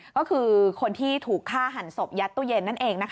ก็คือคนที่ถูกฆ่าหันศพยัดตู้เย็นนั่นเอง